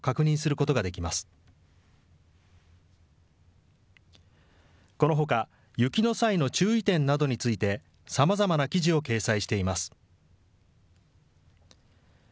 このほか、雪の際の注意点などについて、さまざまな記事を掲載しています。